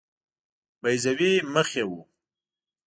بیضوي مخ یې وو.